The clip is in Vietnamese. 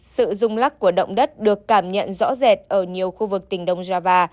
sự rung lắc của động đất được cảm nhận rõ rệt ở nhiều khu vực tỉnh đông java